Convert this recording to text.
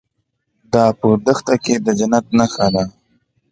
دا په دښته کې د جنت نښه ده.